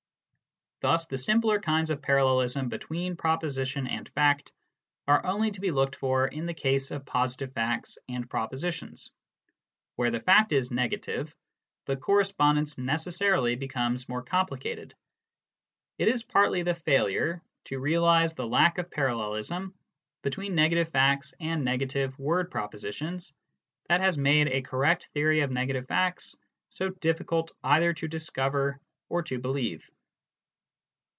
Thus the simpler kinds of parallelism between proposition and fact are only to be looked for in the case of positive facts and propositions. Where the fact is negative, the corre spondence necessarily becomes more complicated. It is partly the failure to realise the lack of parallelism between negative facts and negative word propositions that has made a correct theory of negative facts so difficult either to discover or to believe.